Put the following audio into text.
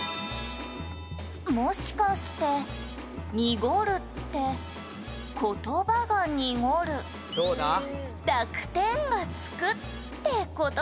「もしかして濁るって言葉が濁る濁点がつくって事かしら？」